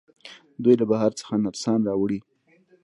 دوی له بهر څخه نرسان راوړي.